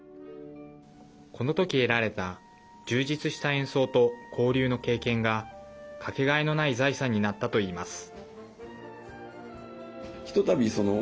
この時、得られた充実した演奏と交流の経験がかけがえのない財産になったといいます。